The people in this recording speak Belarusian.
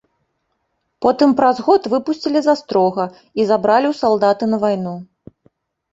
Потым праз год выпусцілі з астрога і забралі ў салдаты на вайну.